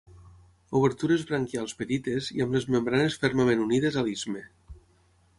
Obertures branquials petites i amb les membranes fermament unides a l'istme.